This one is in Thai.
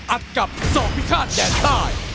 อัดกับสอกพิฆาตแดนใต้